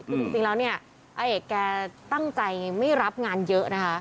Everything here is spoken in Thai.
คือจริงแล้วเนี่ยอาเอกแกตั้งใจไม่รับงานเยอะนะคะ